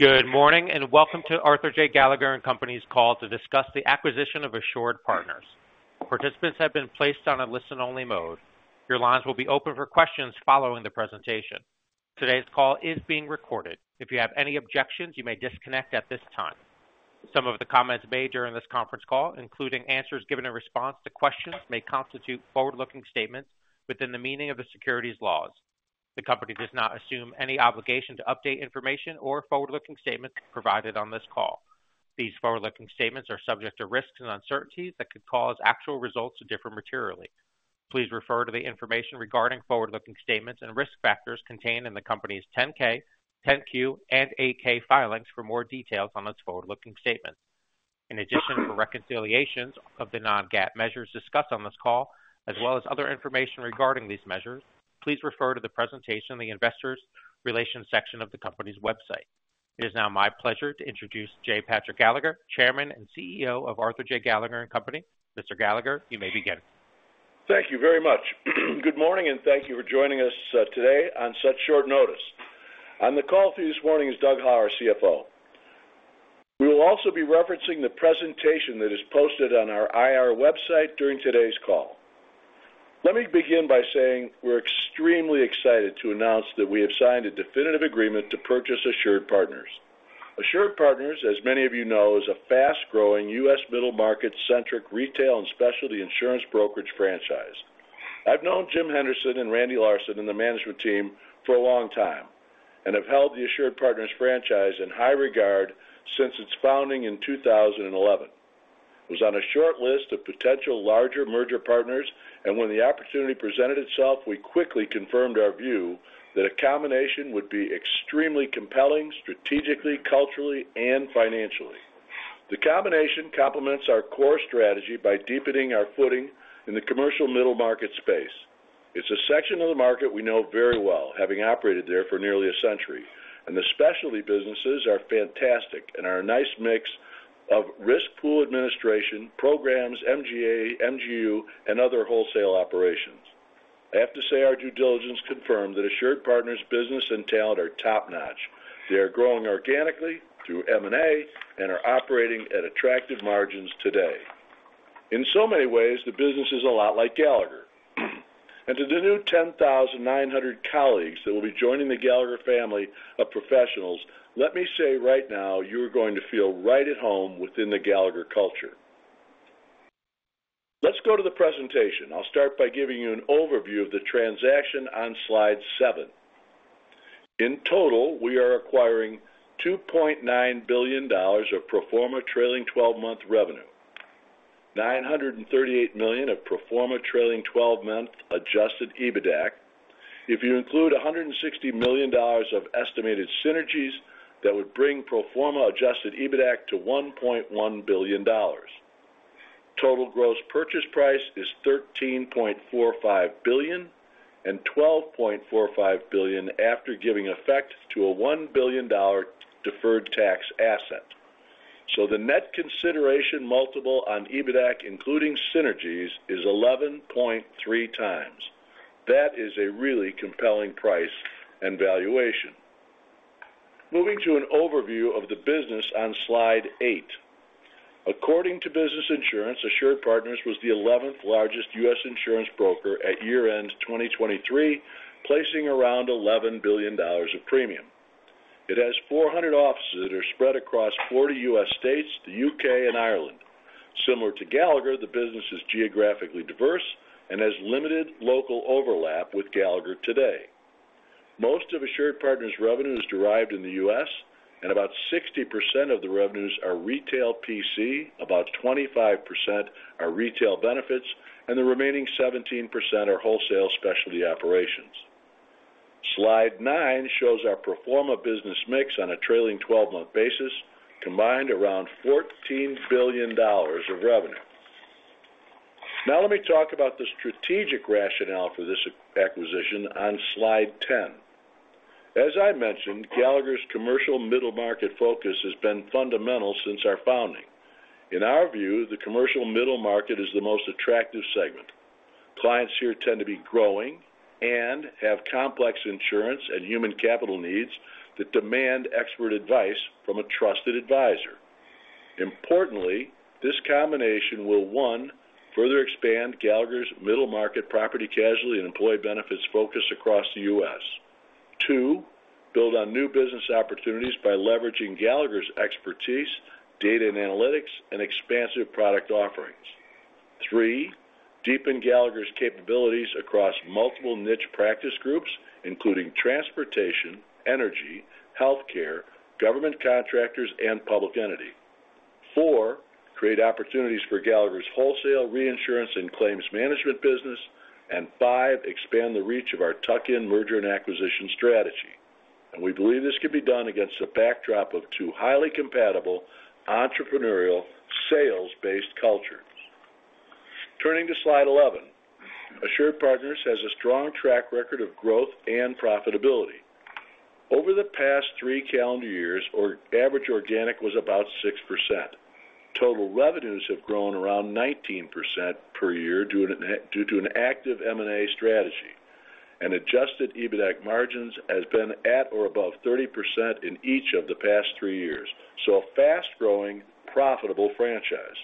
Good morning and welcome to Arthur J. Gallagher & Company's call to discuss the acquisition of AssuredPartners. Participants have been placed on a listen-only mode. Your lines will be open for questions following the presentation. Today's call is being recorded. If you have any objections, you may disconnect at this time. Some of the comments made during this conference call, including answers given in response to questions, may constitute forward-looking statements within the meaning of the securities laws. The company does not assume any obligation to update information or forward-looking statements provided on this call. These forward-looking statements are subject to risks and uncertainties that could cause actual results to differ materially. Please refer to the information regarding forward-looking statements and risk factors contained in the company's 10-K, 10-Q, and 8-K filings for more details on its forward-looking statements. In addition, for reconciliations of the non-GAAP measures discussed on this call, as well as other information regarding these measures, please refer to the presentation in the Investor Relations section of the company's website. It is now my pleasure to introduce J. Patrick Gallagher, Chairman and CEO of Arthur J. Gallagher & Company. Mr. Gallagher, you may begin. Thank you very much. Good morning and thank you for joining us today on such short notice. On the call through this morning is Doug Howell, our CFO. We will also be referencing the presentation that is posted on our IR website during today's call. Let me begin by saying we're extremely excited to announce that we have signed a definitive agreement to purchase AssuredPartners. AssuredPartners, as many of you know, is a fast-growing U.S. middle-market-centric retail and specialty insurance brokerage franchise. I've known Jim Henderson and Randy Larsen, and the management team for a long time and have held the AssuredPartners franchise in high regard since its founding in 2011. It was on a short list of potential larger merger partners, and when the opportunity presented itself, we quickly confirmed our view that a combination would be extremely compelling strategically, culturally, and financially. The combination complements our core strategy by deepening our footing in the commercial middle market space. It's a section of the market we know very well, having operated there for nearly a century, and the specialty businesses are fantastic and are a nice mix of risk pool administration, programs, MGA, MGU, and other wholesale operations. I have to say our due diligence confirmed that AssuredPartners' business and talent are top-notch. They are growing organically through M&A and are operating at attractive margins today. In so many ways, the business is a lot like Gallagher, and to the new 10,900 colleagues that will be joining the Gallagher family of professionals, let me say right now you are going to feel right at home within the Gallagher culture. Let's go to the presentation. I'll start by giving you an overview of the transaction on slide seven. In total, we are acquiring $2.9 billion of pro forma trailing 12-month revenue, $938 million of pro forma trailing 12-month adjusted EBITDA, if you include $160 million of estimated synergies that would bring pro forma adjusted EBITDA to $1.1 billion. Total gross purchase price is $13.45 billion and $12.45 billion after giving effect to a $1 billion deferred tax asset. So the net consideration multiple on EBITDA, including synergies, is 11.3x. That is a really compelling price and valuation. Moving to an overview of the business on slide eight. According to Business Insurance, AssuredPartners was the 11th largest U.S. insurance broker at year-end 2023, placing around $11 billion of premium. It has 400 offices that are spread across 40 U.S. states, the U.K., and Ireland. Similar to Gallagher, the business is geographically diverse and has limited local overlap with Gallagher today. Most of AssuredPartners' revenue is derived in the U.S., and about 60% of the revenues are retail P&C, about 25% are retail benefits, and the remaining 17% are wholesale specialty operations. Slide nine shows our pro forma business mix on a trailing 12-month basis combined around $14 billion of revenue. Now, let me talk about the strategic rationale for this acquisition on slide 10. As I mentioned, Gallagher's commercial middle market focus has been fundamental since our founding. In our view, the commercial middle market is the most attractive segment. Clients here tend to be growing and have complex insurance and human capital needs that demand expert advice from a trusted advisor. Importantly, this combination will, one, further expand Gallagher's middle market property casualty and employee benefits focus across the U.S. Two, build on new business opportunities by leveraging Gallagher's expertise, data and analytics, and expansive product offerings. Three, deepen Gallagher's capabilities across multiple niche practice groups, including transportation, energy, healthcare, government contractors, and public entity. Four, create opportunities for Gallagher's wholesale, reinsurance, and claims management business. And five, expand the reach of our tuck-in merger and acquisition strategy. And we believe this can be done against the backdrop of two highly compatible entrepreneurial sales-based cultures. Turning to slide 11, AssuredPartners has a strong track record of growth and profitability. Over the past three calendar years, our average organic was about 6%. Total revenues have grown around 19% per year due to an active M&A strategy. And adjusted EBITDA margins have been at or above 30% in each of the past three years. So a fast-growing, profitable franchise.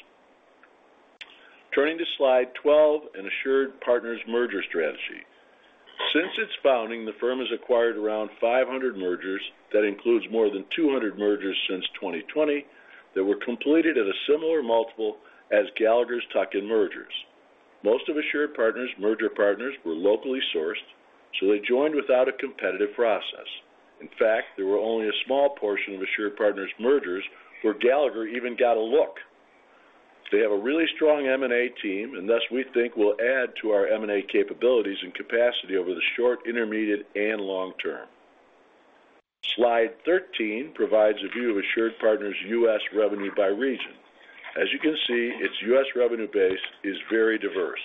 Turning to slide 12, an AssuredPartners merger strategy. Since its founding, the firm has acquired around 500 mergers. That includes more than 200 mergers since 2020 that were completed at a similar multiple as Gallagher's tuck-in mergers. Most of AssuredPartners' merger partners were locally sourced, so they joined without a competitive process. In fact, there were only a small portion of AssuredPartners' mergers where Gallagher even got a look. They have a really strong M&A team, and thus we think will add to our M&A capabilities and capacity over the short, intermediate, and long term. Slide 13 provides a view of AssuredPartners' U.S. revenue by region. As you can see, its U.S. revenue base is very diverse.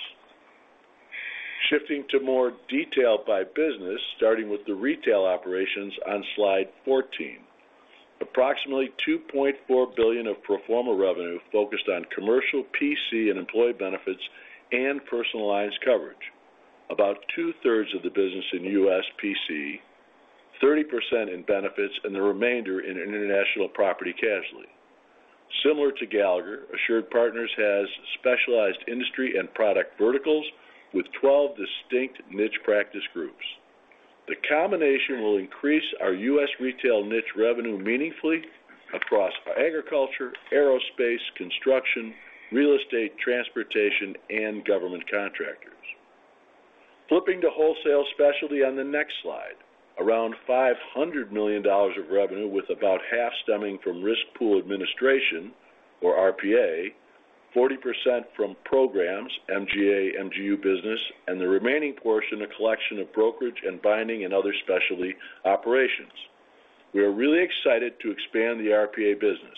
Shifting to more detail by business, starting with the retail operations on slide 14. Approximately $2.4 billion of pro forma revenue focused on commercial P&C and employee benefits, and personalized coverage. About two-thirds of the business in U.S. P&C, 30% in benefits, and the remainder in international property casualty. Similar to Gallagher, AssuredPartners has specialized industry and product verticals with 12 distinct niche practice groups. The combination will increase our U.S. retail niche revenue meaningfully across agriculture, aerospace, construction, real estate, transportation, and government contractors. Flipping to wholesale specialty on the next slide, around $500 million of revenue, with about half stemming from risk pool administration, or RPA, 40% from programs, MGA, MGU business, and the remaining portion a collection of brokerage and binding and other specialty operations. We are really excited to expand the RPA business.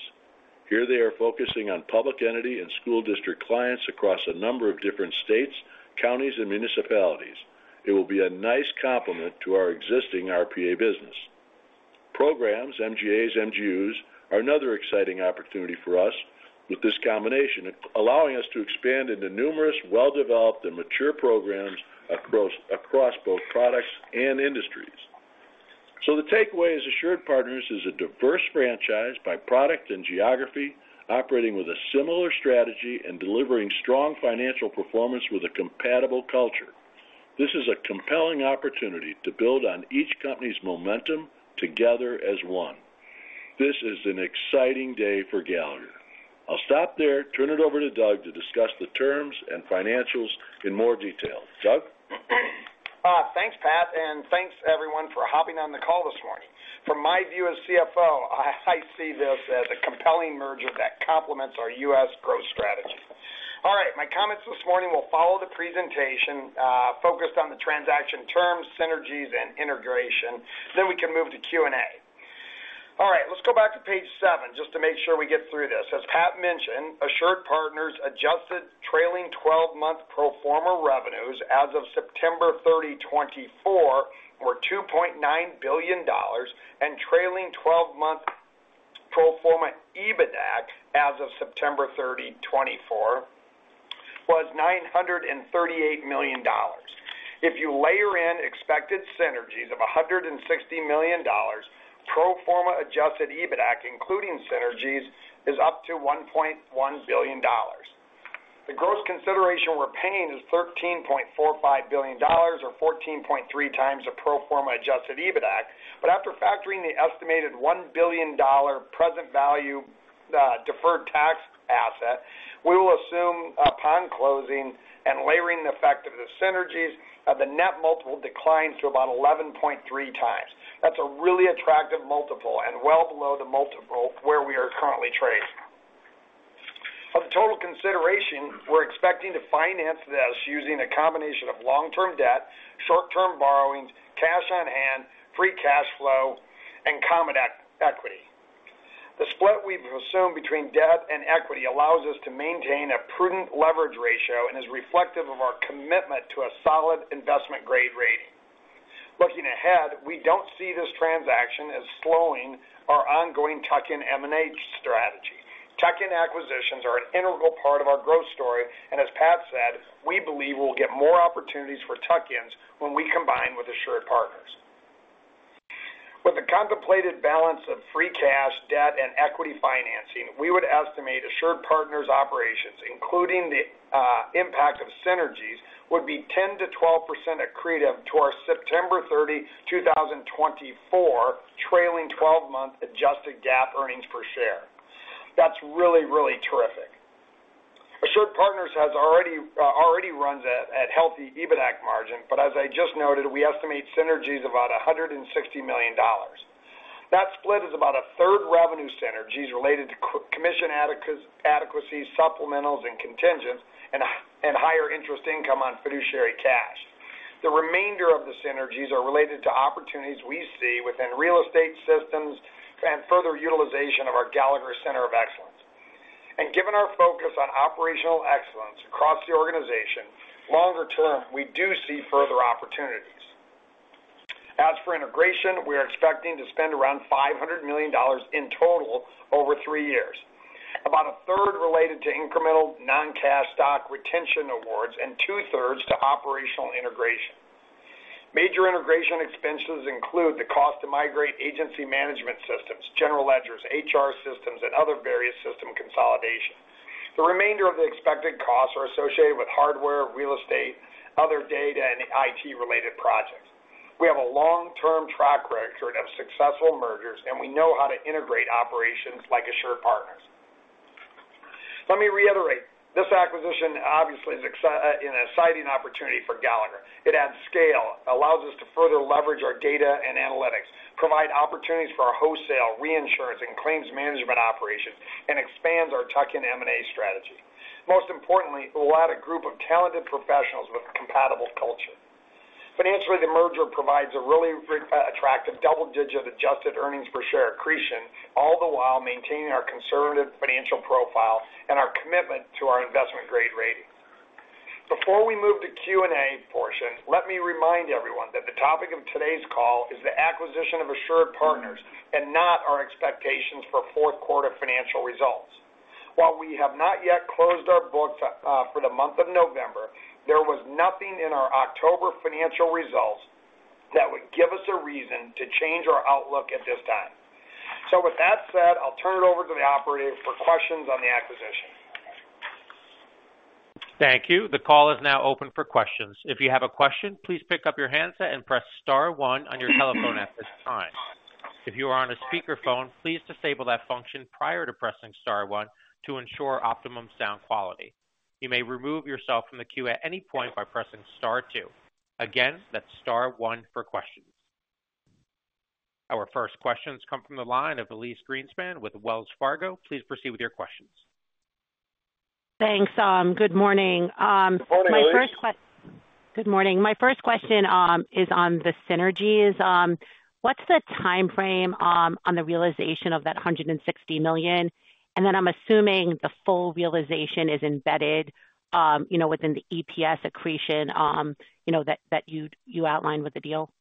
Here they are focusing on public entity and school district clients across a number of different states, counties, and municipalities. It will be a nice complement to our existing RPA business. Programs, MGAs, MGUs are another exciting opportunity for us with this combination, allowing us to expand into numerous well-developed and mature programs across both products and industries. So the takeaway is AssuredPartners is a diverse franchise by product and geography, operating with a similar strategy and delivering strong financial performance with a compatible culture. This is a compelling opportunity to build on each company's momentum together as one. This is an exciting day for Gallagher. I'll stop there. Turn it over to Doug to discuss the terms and financials in more detail. Doug? Thanks, Pat, and thanks everyone for hopping on the call this morning. From my view as CFO, I see this as a compelling merger that complements our U.S. growth strategy. All right, my comments this morning will follow the presentation focused on the transaction terms, synergies, and integration. Then we can move to Q&A. All right, let's go back to page seven just to make sure we get through this. As Pat mentioned, AssuredPartners' adjusted trailing 12-month pro forma revenues as of September 30, 2024, were $2.9 billion, and trailing 12-month pro forma EBITDA as of September 30, 2024, was $938 million. If you layer in expected synergies of $160 million, pro forma adjusted EBITDA, including synergies, is up to $1.1 billion. The gross consideration we're paying is $13.45 billion, or 14.3x a pro forma adjusted EBITDA. After factoring the estimated $1 billion present value deferred tax asset, we will assume upon closing and layering the effect of the synergies, the net multiple declines to about 11.3x. That's a really attractive multiple and well below the multiple where we are currently trading. Of the total consideration, we're expecting to finance this using a combination of long-term debt, short-term borrowings, cash on hand, free cash flow, and common equity. The split we've assumed between debt and equity allows us to maintain a prudent leverage ratio and is reflective of our commitment to a solid investment grade rating. Looking ahead, we don't see this transaction as slowing our ongoing tuck-in M&A strategy. Tuck-in acquisitions are an integral part of our growth story, and as Pat said, we believe we'll get more opportunities for tuck-ins when we combine with AssuredPartners. With the contemplated balance of free cash, debt, and equity financing, we would estimate AssuredPartners' operations, including the impact of synergies, would be 10%-12% accretive to our September 30, 2024, trailing 12-month adjusted GAAP earnings per share. That's really, really terrific. AssuredPartners has already runs at healthy EBITDA margin, but as I just noted, we estimate synergies of about $160 million. That split is about a third revenue synergies related to commission adequacy, supplementals, and contingents, and higher interest income on fiduciary cash. The remainder of the synergies are related to opportunities we see within real estate systems and further utilization of our Gallagher Center of Excellence, and given our focus on operational excellence across the organization, longer term, we do see further opportunities. As for integration, we are expecting to spend around $500 million in total over three years. About a third related to incremental non-cash stock retention awards and two-thirds to operational integration. Major integration expenses include the cost to migrate agency management systems, general ledgers, HR systems, and other various system consolidation. The remainder of the expected costs are associated with hardware, real estate, other data, and IT-related projects. We have a long-term track record of successful mergers, and we know how to integrate operations like AssuredPartners. Let me reiterate. This acquisition obviously is an exciting opportunity for Gallagher. It adds scale, allows us to further leverage our data and analytics, provides opportunities for our wholesale, reinsurance, and claims management operations, and expands our tuck-in M&A strategy. Most importantly, we'll add a group of talented professionals with a compatible culture. Financially, the merger provides a really attractive double-digit adjusted earnings per share accretion, all the while maintaining our conservative financial profile and our commitment to our investment grade rating. Before we move to Q&A portion, let me remind everyone that the topic of today's call is the acquisition of AssuredPartners and not our expectations for fourth quarter financial results. While we have not yet closed our books for the month of November, there was nothing in our October financial results that would give us a reason to change our outlook at this time. So with that said, I'll turn it over to the operator for questions on the acquisition. Thank you. The call is now open for questions. If you have a question, please pick up your handset and press star one on your telephone at this time. If you are on a speakerphone, please disable that function prior to pressing star one to ensure optimum sound quality. You may remove yourself from the queue at any point by pressing star two. Again, that's star one for questions. Our first questions come from the line of Elyse Greenspan with Wells Fargo. Please proceed with your questions. Thanks. Good morning. Good morning, Elyse. My first question is on the synergies. What's the timeframe on the realization of that $160 million? And then I'm assuming the full realization is embedded within the EPS accretion that you outlined with the deal.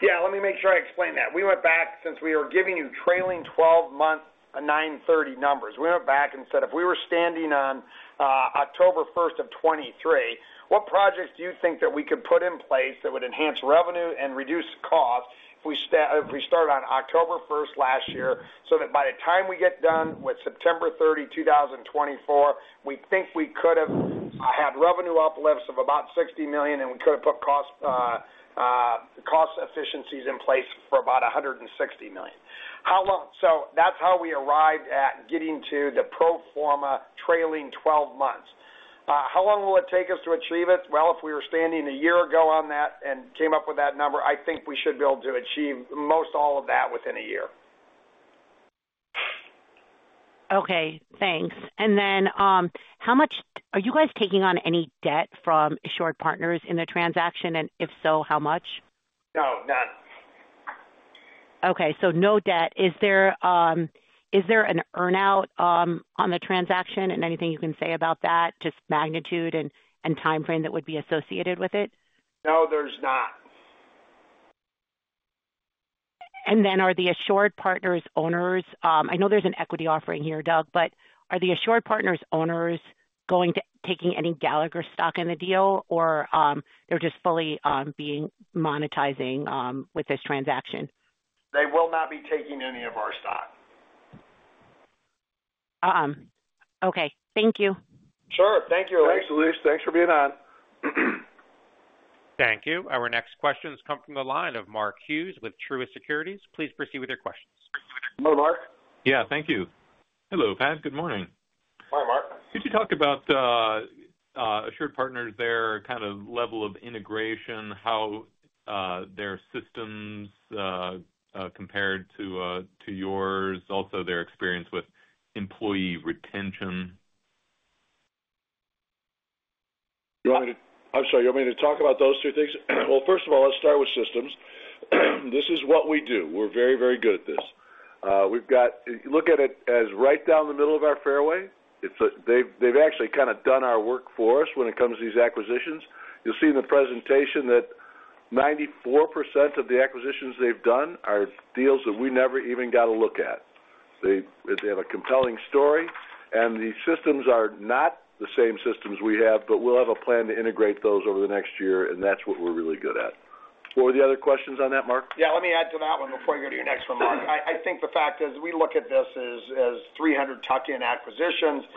Yeah, let me make sure I explain that. We went back since we were giving you trailing 12-month 930 numbers. We went back and said if we were standing on October 1st of 2023, what projects do you think that we could put in place that would enhance revenue and reduce costs if we started on October 1st last year so that by the time we get done with September 30, 2024, we think we could have had revenue uplifts of about $60 million and we could have put cost efficiencies in place for about $160 million? So that's how we arrived at getting to the pro forma trailing 12 months. How long will it take us to achieve it? Well, if we were standing a year ago on that and came up with that number, I think we should be able to achieve most all of that within a year. Okay, thanks. And then how much are you guys taking on any debt from AssuredPartners in the transaction? And if so, how much? No, none. Okay, so no debt. Is there an earnout on the transaction and anything you can say about that, just magnitude and timeframe that would be associated with it? No, there's not. And then are the AssuredPartners owners? I know there's an equity offering here, Doug, but are the AssuredPartners owners going to be taking any Gallagher stock in the deal or they're just fully monetizing with this transaction? They will not be taking any of our stock. Okay, thank you. Sure, thank you, Elyse .Thanks, Elyse. Thanks for being on. Thank you. Our next questions come from the line of Mark Hughes with Truist Securities. Please proceed with your questions. Hello, Mark. Yeah, thank you. Hello, Pat. Good morning. Hi, Mark. Could you talk about AssuredPartners, their kind of level of integration, how their systems compared to yours, also their experience with employee retention? I'm sorry, you want me to talk about those two things? Well, first of all, let's start with systems. This is what we do. We're very, very good at this. We've got to look at it as right down the middle of our fairway. They've actually kind of done our work for us when it comes to these acquisitions. You'll see in the presentation that 94% of the acquisitions they've done are deals that we never even got to look at. They have a compelling story, and the systems are not the same systems we have, but we'll have a plan to integrate those over the next year, and that's what we're really good at. What were the other questions on that, Mark? Yeah, let me add to that one before you go to your next one, Mark. I think the fact is we look at this as 300 tuck-in acquisitions.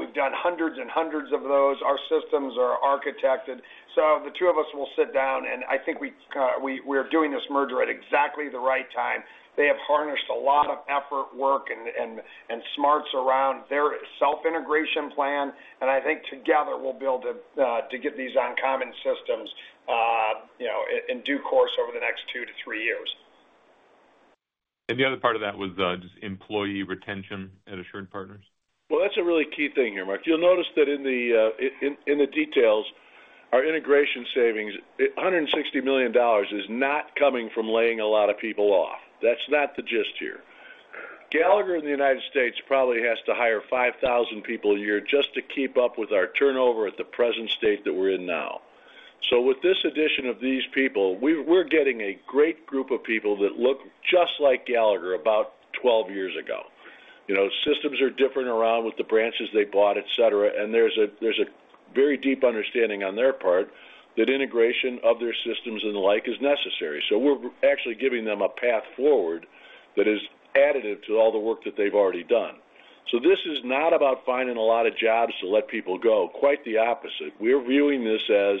We've done hundreds and hundreds of those. Our systems are architected. So the two of us will sit down, and I think we're doing this merger at exactly the right time. They have harnessed a lot of effort, work, and smarts around their self-integration plan, and I think together we'll be able to get these on common systems over the course of the next two to three years. The other part of that was just employee retention at AssuredPartners? Well, that's a really key thing here, Mark. You'll notice that in the details, our integration savings, $160 million is not coming from laying a lot of people off. That's not the gist here. Gallagher in the United States probably has to hire 5,000 people a year just to keep up with our turnover at the present state that we're in now. So with this addition of these people, we're getting a great group of people that look just like Gallagher about 12 years ago. Systems are different around with the branches they bought, etc., and there's a very deep understanding on their part that integration of their systems and the like is necessary. So we're actually giving them a path forward that is additive to all the work that they've already done. So this is not about finding a lot of jobs to let people go. Quite the opposite. We're viewing this as a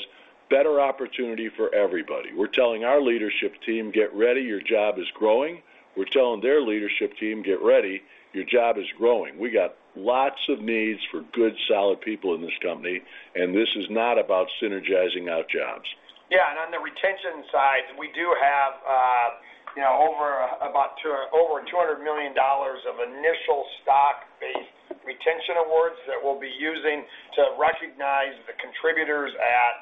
better opportunity for everybody. We're telling our leadership team, "Get ready, your job is growing." We're telling their leadership team, "Get ready, your job is growing." We got lots of needs for good, solid people in this company, and this is not about synergizing out jobs. Yeah, and on the retention side, we do have over $200 million of initial stock-based retention awards that we'll be using to recognize the contributors at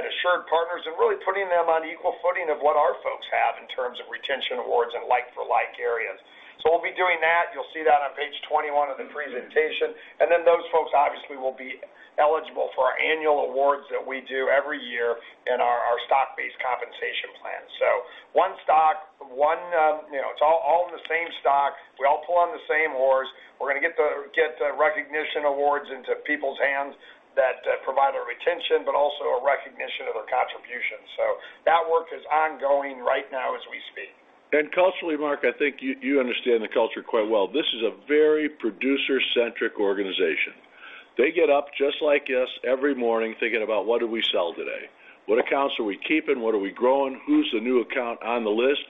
AssuredPartners and really putting them on equal footing of what our folks have in terms of retention awards and like-for-like areas. So we'll be doing that. You'll see that on page 21 of the presentation. And then those folks obviously will be eligible for our annual awards that we do every year in our stock-based compensation plan. So one stock, it's all on the same stock. We all pull on the same horse. We're going to get the recognition awards into people's hands that provide our retention, but also a recognition of their contributions. So that work is ongoing right now as we speak. And culturally, Mark, I think you understand the culture quite well. This is a very producer-centric organization. They get up just like us every morning thinking about what do we sell today? What accounts are we keeping? What are we growing? Who's the new account on the list?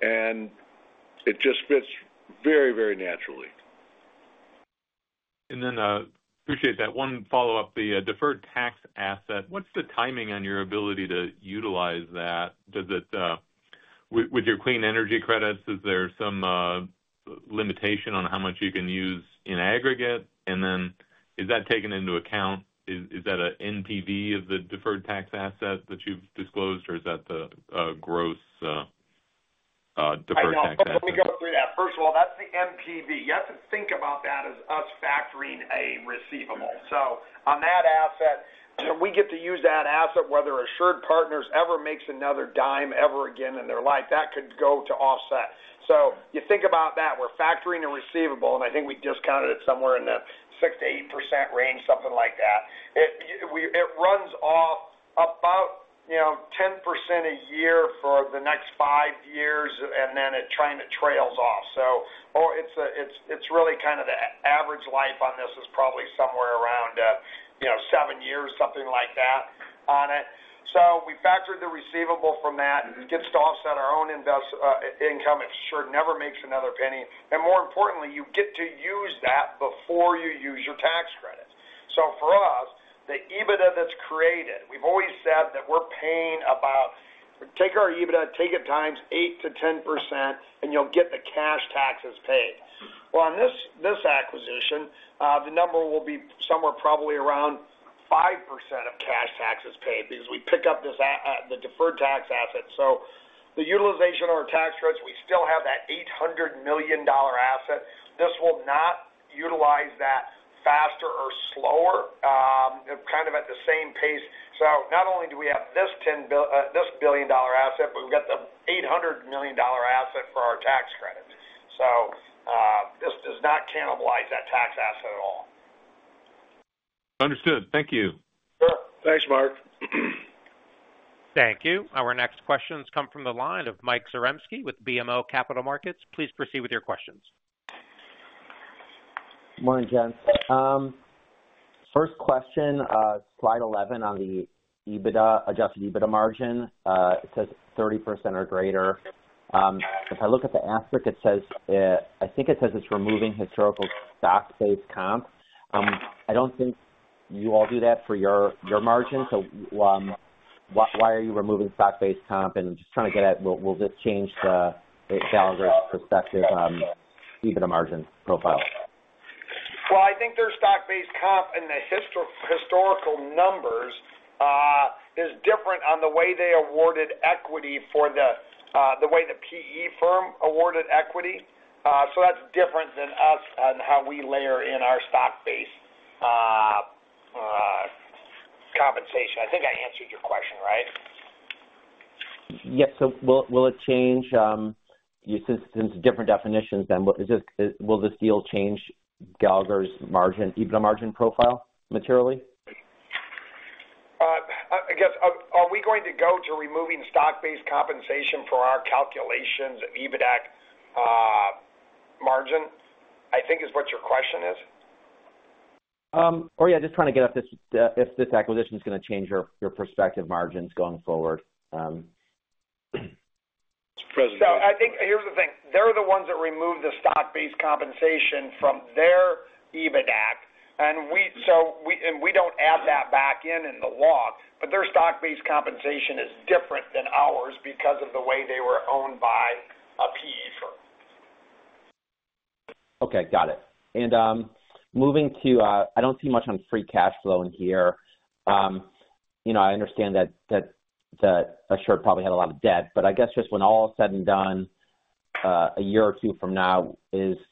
And it just fits very, very naturally. Then I appreciate that. One follow-up, the deferred tax asset, what's the timing on your ability to utilize that? With your clean energy credits, is there some limitation on how much you can use in aggregate? And then is that taken into account? Is that an NPV of the deferred tax asset that you've disclosed, or is that the gross deferred tax asset? Let me go through that. First of all, that's the NPV. You have to think about that as us factoring a receivable. So on that asset, we get to use that asset whether AssuredPartners ever makes another dime ever again in their life. That could go to offset. So you think about that. We're factoring a receivable, and I think we discounted it somewhere in the 6%-8% range, something like that. It runs off about 10% a year for the next five years, and then it kind of trails off. So it's really kind of the average life on this is probably somewhere around seven years, something like that on it. So we factored the receivable from that. It gets to offset our own income. It sure never makes another penny. And more importantly, you get to use that before you use your tax credit. So, for us, the EBITDA that's created, we've always said that we're paying about, take our EBITDA, take it times 8%-10%, and you'll get the cash taxes paid. Well, on this acquisition, the number will be somewhere probably around 5% of cash taxes paid because we pick up the deferred tax asset. So, the utilization of our tax credits, we still have that $800 million asset. This will not utilize that faster or slower, kind of at the same pace. So, not only do we have this $10 billion asset, but we've got the $800 million asset for our tax credits. So, this does not cannibalize that tax asset at all. Understood. Thank you. Sure. Thanks, Mark. Thank you. Our next questions come from the line of Mike Zaremski with BMO Capital Markets. Please proceed with your questions. Morning, Gents. First question, slide 11 on the Adjusted EBITDA margin. It says 30% or greater. If I look at the appendix, I think it says it's removing historical stock-based comp. I don't think you all do that for your margin. So why are you removing stock-based comp? And just trying to get at, will this change Gallagher's perspective on EBITDA margin profile? Well, I think their stock-based comp and the historical numbers is different on the way they awarded equity for the way the PE firm awarded equity. So that's different than us on how we layer in our stock-based compensation. I think I answered your question, right? Yes. So will it change since it's different definitions then, will this deal change Gallagher's EBITDA margin profile materially? I guess, are we going to go to removing stock-based compensation for our calculations of EBITDA margin? I think is what your question is. Or, yeah, just trying to get a sense if this acquisition is going to change your perspective on margins going forward? I think here's the thing. They're the ones that removed the stock-based compensation from their EBITDA. We don't add that back in the log, but their stock-based compensation is different than ours because of the way they were owned by a PE firm. Okay, got it. And moving to, I don't see much on free cash flow in here. I understand that Assured probably had a lot of debt, but I guess just when all is said and done, a year or two from now,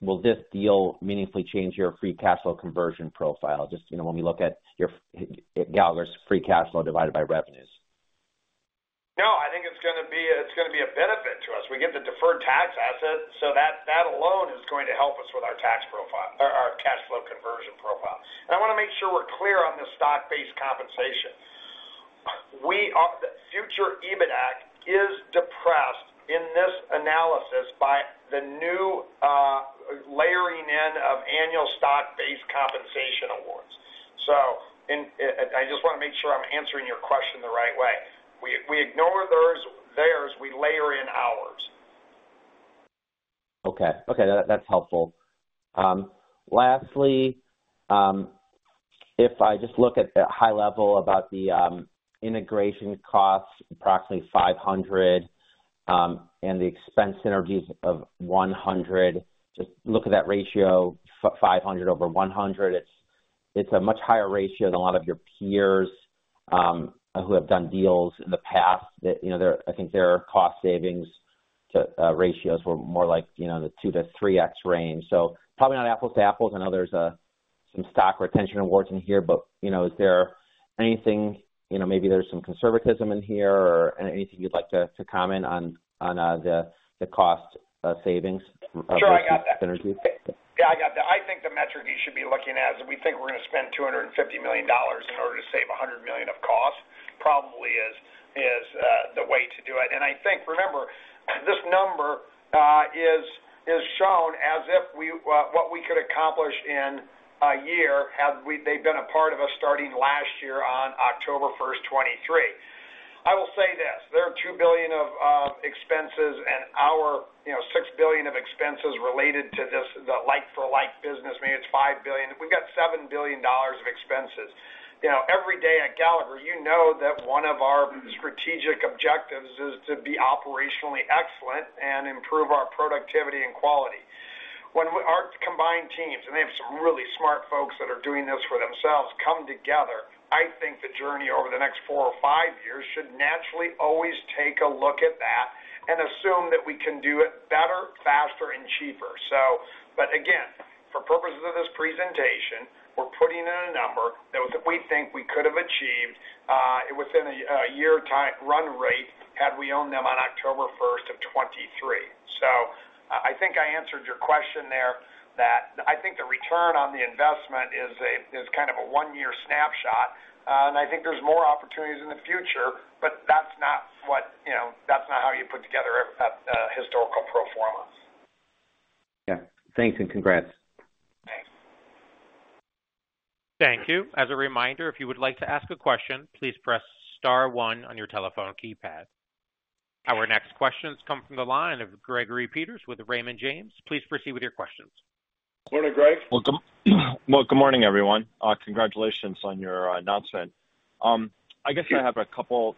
will this deal meaningfully change your free cash flow conversion profile just when we look at Gallagher's free cash flow divided by revenues? No, I think it's going to be a benefit to us. We get the deferred tax asset, so that alone is going to help us with our cash flow conversion profile, and I want to make sure we're clear on the stock-based compensation. The future EBITDA is depressed in this analysis by the new layering in of annual stock-based compensation awards, so I just want to make sure I'm answering your question the right way. We ignore theirs. We layer in ours. Okay. That's helpful. Lastly, if I just look at a high level about the integration costs, approximately $500 and the expense synergies of $100, just look at that ratio, $500 over $100. It's a much higher ratio than a lot of your peers who have done deals in the past. I think their cost savings ratios were more like the 2-3x range. So probably not apples to apples. I know there's some stock retention awards in here, but is there anything? Maybe there's some conservatism in here or anything you'd like to comment on the cost savings? Sure, I got that. Yeah, I got that. I think the metric you should be looking at is we think we're going to spend $250 million in order to save $100 million of cost probably is the way to do it. And I think, remember, this number is shown as if what we could accomplish in a year had they been a part of us starting last year on October 1st, 2023. I will say this. There are $2 billion of expenses and our $6 billion of expenses related to the like-for-like business. Maybe it's $5 billion. We've got $7 billion of expenses. Every day at Gallagher, you know that one of our strategic objectives is to be operationally excellent and improve our productivity and quality. When our combined teams, and they have some really smart folks that are doing this for themselves, come together, I think the journey over the next four or five years should naturally always take a look at that and assume that we can do it better, faster, and cheaper. But again, for purposes of this presentation, we're putting in a number that we think we could have achieved within a year-time run rate had we owned them on October 1st of 2023. So I think I answered your question there that I think the return on the investment is kind of a one-year snapshot, and I think there's more opportunities in the future, but that's not what that's not how you put together a historical pro forma. Yeah. Thanks and congrats. Thanks. Thank you. As a reminder, if you would like to ask a question, please press star one on your telephone keypad. Our next questions come from the line of Gregory Peters with Raymond James. Please proceed with your questions. Morning, Greg. Good morning, everyone. Congratulations on your announcement. I guess I have a couple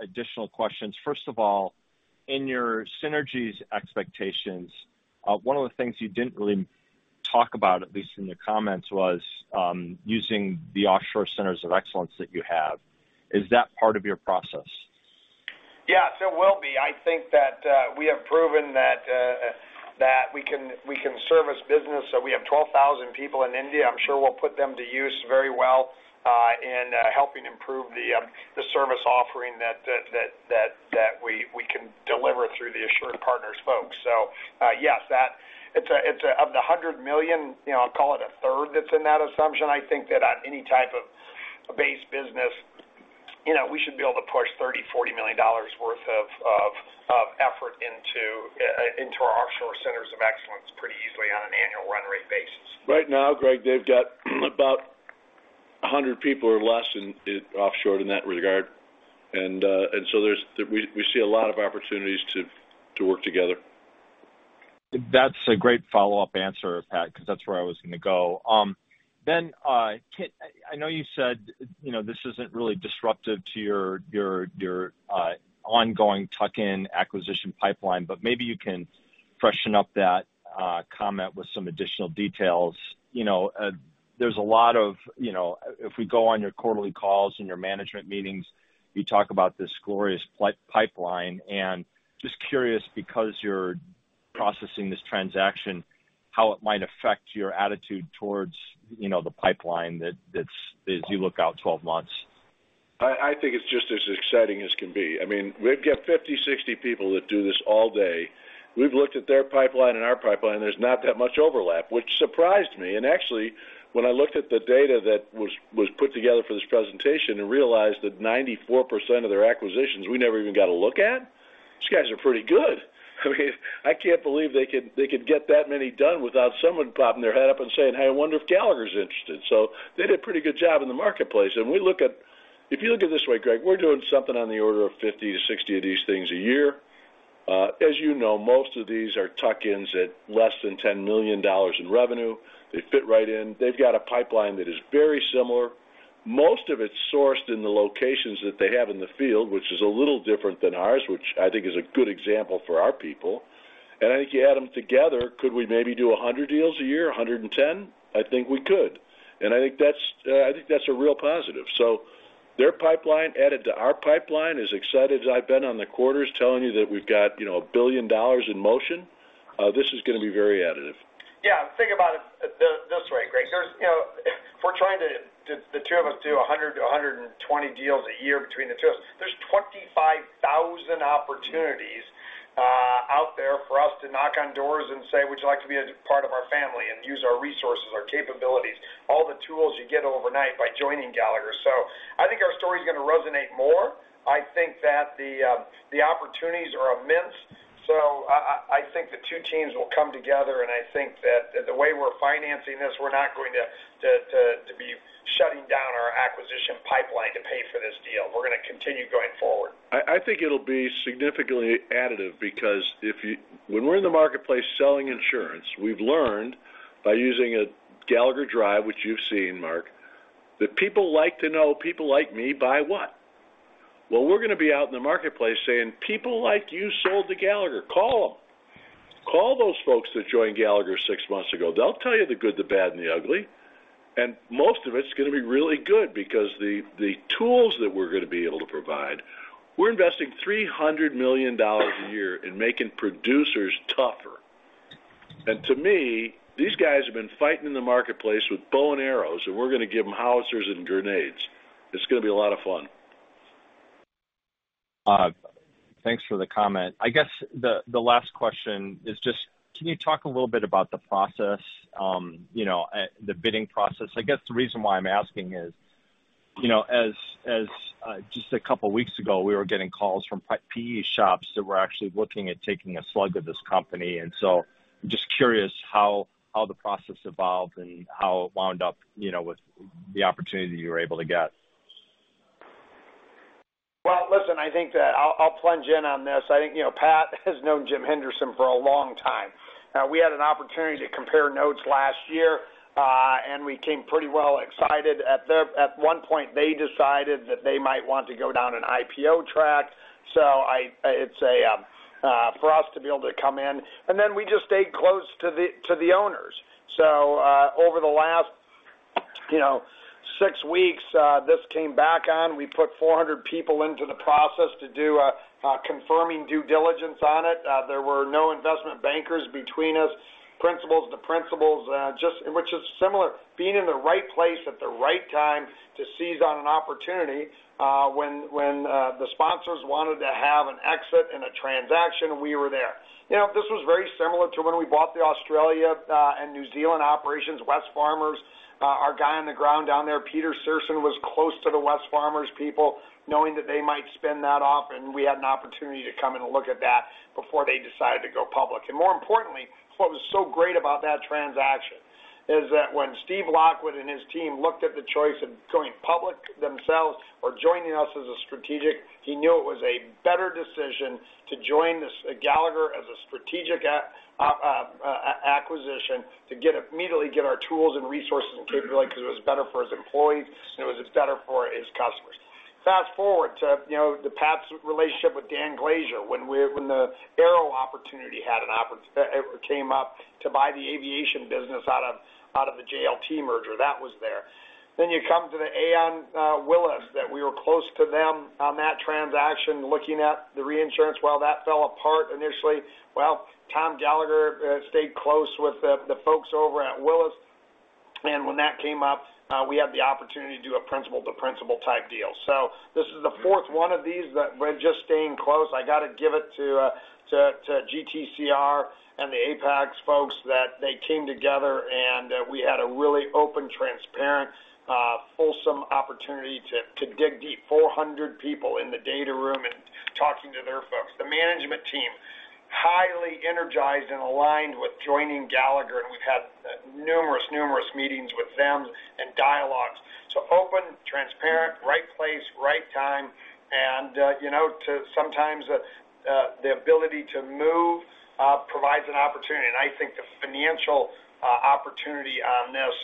additional questions. First of all, in your synergies expectations, one of the things you didn't really talk about, at least in your comments, was using the offshore centers of excellence that you have. Is that part of your process? Yeah, there will be. I think that we have proven that we can service business. So we have 12,000 people in India. I'm sure we'll put them to use very well in helping improve the service offering that we can deliver through the AssuredPartners folks. So yes, it's of the $100 million, I'll call it a third that's in that assumption. I think that on any type of base business, we should be able to push $30 million-$40 million worth of effort into our offshore centers of excellence pretty easily on an annual run rate basis. Right now, Greg, they've got about 100 people or less offshored in that regard, and so we see a lot of opportunities to work together. That's a great follow-up answer, Pat, because that's where I was going to go. Then, I know you said this isn't really disruptive to your ongoing tuck-in acquisition pipeline, but maybe you can freshen up that comment with some additional details. There's a lot of if we go on your quarterly calls and your management meetings, you talk about this glorious pipeline. And just curious, because you're processing this transaction, how it might affect your attitude towards the pipeline as you look out 12 months? I think it's just as exciting as can be. I mean, we've got 50, 60 people that do this all day. We've looked at their pipeline and our pipeline. There's not that much overlap, which surprised me. Actually, when I looked at the data that was put together for this presentation and realized that 94% of their acquisitions we never even got to look at, these guys are pretty good. I mean, I can't believe they could get that many done without someone popping their head up and saying, "Hey, I wonder if Gallagher's interested." So they did a pretty good job in the marketplace. If you look at this way, Greg, we're doing something on the order of 50-60 of these things a year. As you know, most of these are tuck-ins at less than $10 million in revenue. They fit right in. They've got a pipeline that is very similar. Most of it's sourced in the locations that they have in the field, which is a little different than ours, which I think is a good example for our people. And I think you add them together, could we maybe do 100 deals a year, 110? I think we could. And I think that's a real positive. So their pipeline added to our pipeline is excited. I've been on the quarters telling you that we've got $1 billion in motion. This is going to be very additive. Yeah. Think about it this way, Greg. If we're trying to, the two of us do 100, 120 deals a year between the two of us, there's 25,000 opportunities out there for us to knock on doors and say, "Would you like to be a part of our family and use our resources, our capabilities, all the tools you get overnight by joining Gallagher?" So I think our story is going to resonate more. I think that the opportunities are immense. So I think the two teams will come together, and I think that the way we're financing this, we're not going to be shutting down our acquisition pipeline to pay for this deal. We're going to continue going forward. I think it'll be significantly additive because when we're in the marketplace selling insurance, we've learned by using a Gallagher Drive, which you've seen, Mark, that people like to know people like me buy what, well, we're going to be out in the marketplace saying, "People like you sold to Gallagher. Call them. Call those folks that joined Gallagher six months ago. They'll tell you the good, the bad, and the ugly," and most of it's going to be really good because the tools that we're going to be able to provide, we're investing $300 million a year in making producers tougher. And to me, these guys have been fighting in the marketplace with bow and arrows, and we're going to give them howitzers and grenades. It's going to be a lot of fun. Thanks for the comment. I guess the last question is just, can you talk a little bit about the process, the bidding process? I guess the reason why I'm asking is, as just a couple of weeks ago, we were getting calls from PE shops that were actually looking at taking a slug of this company. And so I'm just curious how the process evolved and how it wound up with the opportunity you were able to get. Listen, I think that I'll plunge in on this. I think Pat has known Jim Henderson for a long time. We had an opportunity to compare notes last year, and we came pretty well excited. At one point, they decided that they might want to go down an IPO track. So it's for us to be able to come in. And then we just stayed close to the owners. So over the last six weeks, this came back on. We put 400 people into the process to do a confirming due diligence on it. There were no investment bankers between us, principals, the principals, which is similar. Being in the right place at the right time to seize on an opportunity when the sponsors wanted to have an exit and a transaction, we were there. This was very similar to when we bought the Australia and New Zealand operations, Wesfarmers. Our guy on the ground down there, Peter Searson, was close to the Wesfarmers people, knowing that they might spin that off, and we had an opportunity to come and look at that before they decided to go public. And more importantly, what was so great about that transaction is that when Steve Lockwood and his team looked at the choice of going public themselves or joining us as a strategic, he knew it was a better decision to join Gallagher as a strategic acquisition to immediately get our tools and resources and capabilities because it was better for his employees, and it was better for his customers. Fast forward to Pat's relationship with Dan Glaser when the Aon opportunity came up to buy the aviation business out of the JLT merger. That was there. You come to the Aon Willis that we were close to them on that transaction looking at the reinsurance. That fell apart initially. Tom Gallagher stayed close with the folks over at Willis. When that came up, we had the opportunity to do a principal-to-principal type deal. This is the fourth one of these. Just staying close, I got to give it to GTCR and the Apax folks that they came together, and we had a really open, transparent, wholesome opportunity to dig deep. 400 people in the data room and talking to their folks. The management team, highly energized and aligned with joining Gallagher, and we've had numerous, numerous meetings with them and dialogues. Open, transparent, right place, right time. Sometimes the ability to move provides an opportunity. I think the financial opportunity on this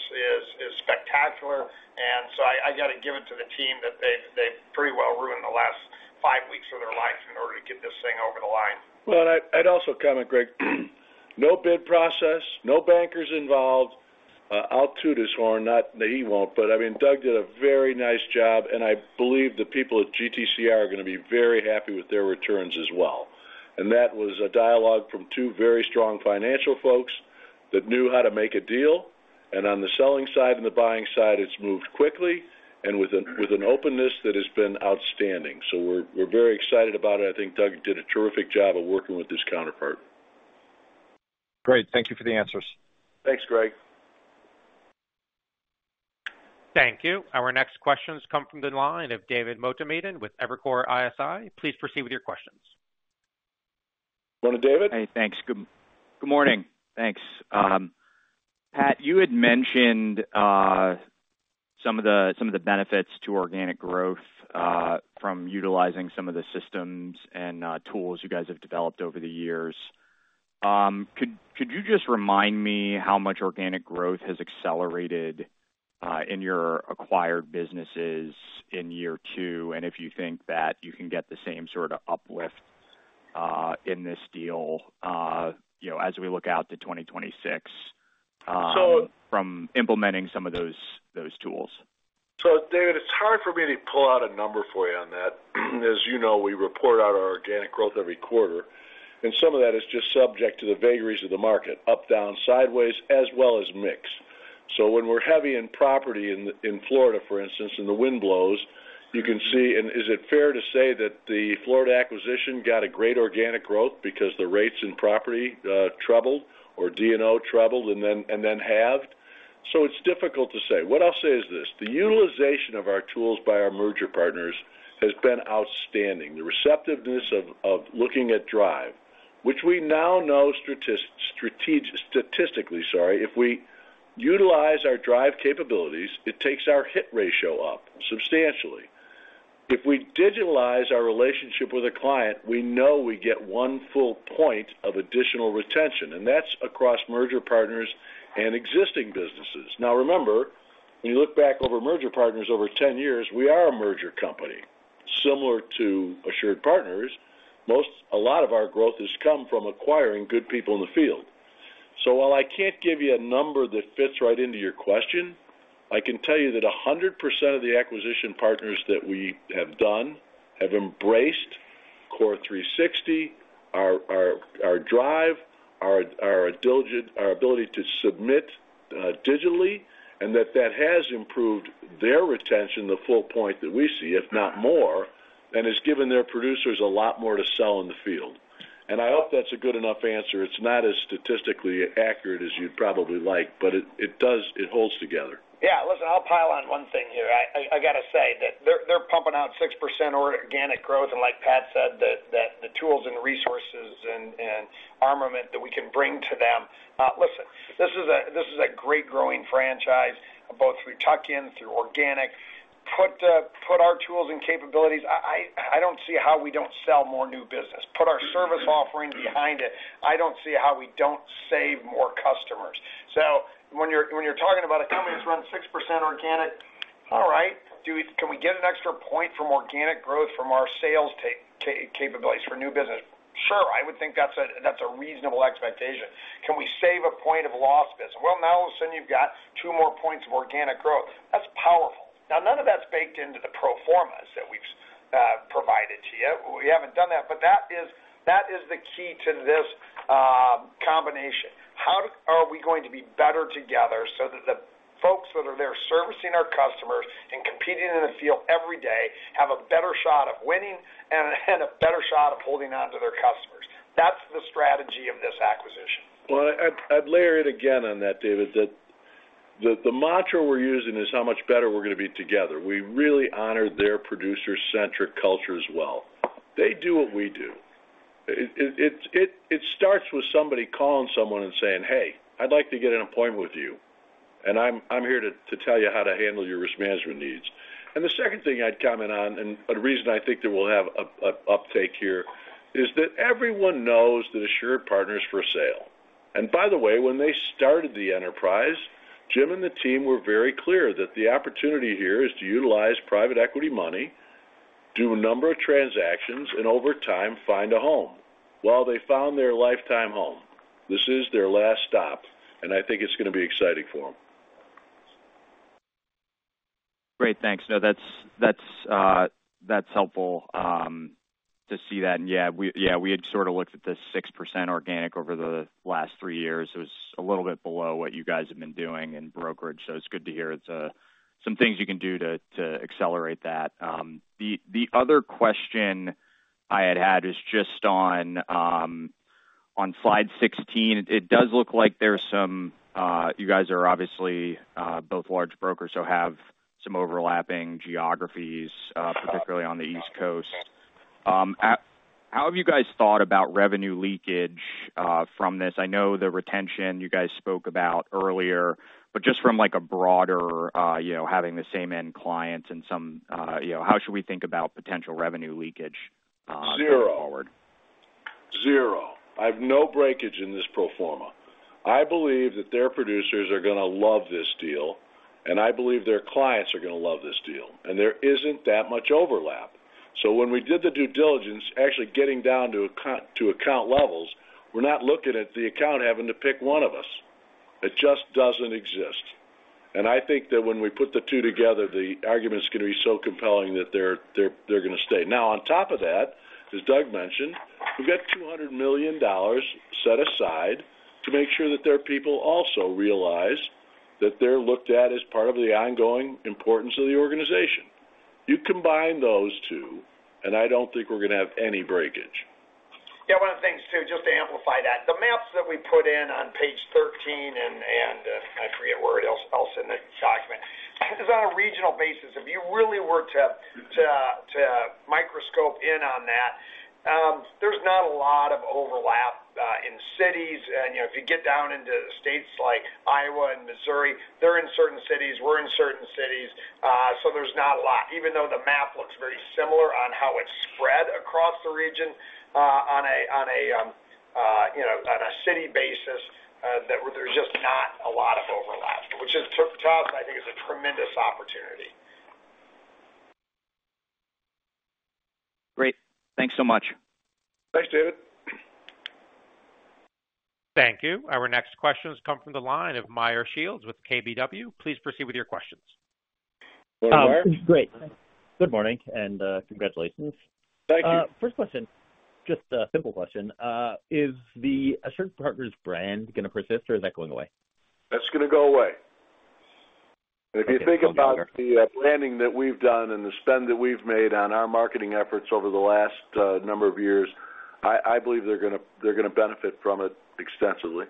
is spectacular. And so I got to give it to the team that they've pretty well ruined the last five weeks of their life in order to get this thing over the line. I'd also comment, Greg. No bid process, no bankers involved. I'll toot his horn. Not that he won't, but I mean, Doug did a very nice job, and I believe the people at GTCR are going to be very happy with their returns as well. And that was a dialogue from two very strong financial folks that knew how to make a deal. And on the selling side and the buying side, it's moved quickly and with an openness that has been outstanding. So we're very excited about it. I think Doug did a terrific job of working with his counterpart. Great. Thank you for the answers. Thanks, Greg. Thank you. Our next questions come from the line of David Motemaden with Evercore ISI. Please proceed with your questions. Morning, David. Hey, thanks. Good morning. Thanks. Pat, you had mentioned some of the benefits to organic growth from utilizing some of the systems and tools you guys have developed over the years. Could you just remind me how much organic growth has accelerated in your acquired businesses in year two and if you think that you can get the same sort of uplift in this deal as we look out to 2026 from implementing some of those tools? So David, it's hard for me to pull out a number for you on that. As you know, we report out our organic growth every quarter, and some of that is just subject to the vagaries of the market, up, down, sideways, as well as mix. So when we're heavy in property in Florida, for instance, and the wind blows, you can see, and is it fair to say that the Florida acquisition got a great organic growth because the rates in property troubled or D&O troubled and then halved? So it's difficult to say. What I'll say is this: the utilization of our tools by our merger partners has been outstanding. The receptiveness of looking at drive, which we now know statistically, sorry, if we utilize our drive capabilities, it takes our hit ratio up substantially. If we digitalize our relationship with a client, we know we get one full point of additional retention, and that's across merger partners and existing businesses. Now, remember, when you look back over merger partners over 10 years, we are a merger company. Similar to AssuredPartners, a lot of our growth has come from acquiring good people in the field. So while I can't give you a number that fits right into your question, I can tell you that 100% of the acquisition partners that we have done have embraced Core360, our Drive, our ability to submit digitally, and that that has improved their retention, the full point that we see, if not more, and has given their producers a lot more to sell in the field. And I hope that's a good enough answer. It's not as statistically accurate as you'd probably like, but it holds together. Yeah. Listen, I'll pile on one thing here. I got to say that they're pumping out 6% organic growth, and like Pat said, the tools and resources and armament that we can bring to them. Listen, this is a great growing franchise, both through tuck-in, through organic. Put our tools and capabilities. I don't see how we don't sell more new business. Put our service offering behind it. I don't see how we don't save more customers. So when you're talking about a company that's run 6% organic, all right, can we get an extra point from organic growth from our sales capabilities for new business? Sure. I would think that's a reasonable expectation. Can we save a point of lost business? Well, now all of a sudden, you've got two more points of organic growth. That's powerful. Now, none of that's baked into the pro formas that we've provided to you. We haven't done that, but that is the key to this combination. How are we going to be better together so that the folks that are there servicing our customers and competing in the field every day have a better shot of winning and a better shot of holding on to their customers? That's the strategy of this acquisition. Well, I'd layer it again on that, David, that the mantra we're using is how much better we're going to be together. We really honor their producer-centric culture as well. They do what we do. It starts with somebody calling someone and saying, "Hey, I'd like to get an appointment with you, and I'm here to tell you how to handle your risk management needs." And the second thing I'd comment on, and a reason I think that we'll have an uptake here, is that everyone knows that AssuredPartners for sale. And by the way, when they started the enterprise, Jim and the team were very clear that the opportunity here is to utilize private equity money, do a number of transactions, and over time, find a home. Well, they found their lifetime home. This is their last stop, and I think it's going to be exciting for them. Great. Thanks. No, that's helpful to see that. And yeah, we had sort of looked at the 6% organic over the last three years. It was a little bit below what you guys have been doing in brokerage. So it's good to hear some things you can do to accelerate that. The other question I had had is just on slide 16. It does look like there's some, you guys are obviously both large brokers, so have some overlapping geographies, particularly on the East Coast. How have you guys thought about revenue leakage from this? I know the retention you guys spoke about earlier, but just from a broader having the same end clients and some, how should we think about potential revenue leakage going forward? Zero. I have no breakage in this pro forma. I believe that their producers are going to love this deal, and I believe their clients are going to love this deal. And there isn't that much overlap. So when we did the due diligence, actually getting down to account levels, we're not looking at the account having to pick one of us. It just doesn't exist. And I think that when we put the two together, the argument's going to be so compelling that they're going to stay. Now, on top of that, as Doug mentioned, we've got $200 million set aside to make sure that their people also realize that they're looked at as part of the ongoing importance of the organization. You combine those two, and I don't think we're going to have any breakage. Yeah. One of the things too, just to amplify that, the maps that we put in on page 13, and I forget where else in the document, is on a regional basis. If you really were to microscope in on that, there's not a lot of overlap in cities. And if you get down into states like Iowa and Missouri, they're in certain cities. We're in certain cities. So there's not a lot, even though the map looks very similar on how it's spread across the region on a city basis, that there's just not a lot of overlap, which to us, I think, is a tremendous opportunity. Great. Thanks so much. Thanks, David. Thank you. Our next questions come from the line of Meyer Shields with KBW. Please proceed with your questions. Hello Meyer. Good morning and congratulations. Thank you. First question, just a simple question. Is the AssuredPartners brand going to persist or is that going away? That's going to go away. And if you think about the branding that we've done and the spend that we've made on our marketing efforts over the last number of years, I believe they're going to benefit from it extensively.